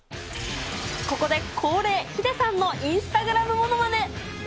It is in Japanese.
ここで恒例、ヒデさんのインスタグラムものまね。